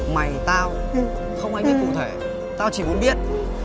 mày tao không ai biết cụ thể tao chỉ muốn biết